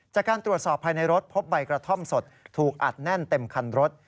จากการตรวจสอบภายในรถพบใบกระท่อมสดถูกอัดแน่นเต็มคันรถ